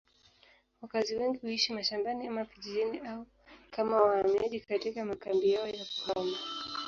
Wakazi wengi huishi mashambani ama vijijini au kama wahamiaji katika makambi yao ya kuhama.